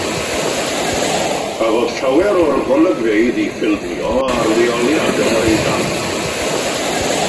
Cafodd llawer o'r golygfeydd eu ffilmio ar leoliad yn yr Eidal.